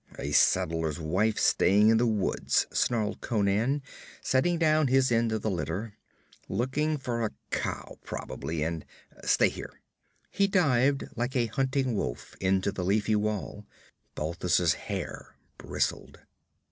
'A settler's wife straying in the woods,' snarled Conan, setting down his end of the litter. 'Looking for a cow, probably, and stay here!' He dived like a hunting wolf into the leafy wall. Balthus' hair bristled.